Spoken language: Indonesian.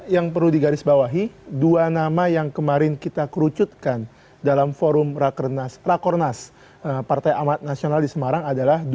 yang perlu digarisbawahi dua nama yang kemarin kita kerucutkan dalam forum rakornas partai amat nasional di semarang adalah dua ribu dua